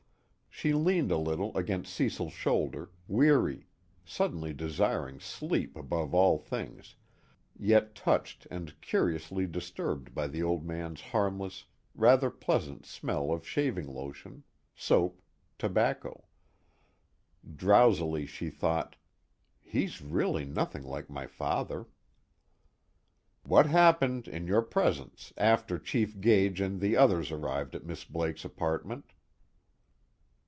She leaned a little against Cecil's shoulder, weary, suddenly desiring sleep above all things, yet touched and curiously disturbed by the Old Man's harmless, rather pleasant smell of shaving lotion, soap, tobacco. Drowsily she thought: He's really nothing like my father. "What happened, in your presence, after Chief Gage and the others arrived at Miss Blake's apartment?"